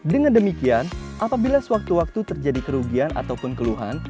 dengan demikian apabila sewaktu waktu terjadi kerugian ataupun keluhan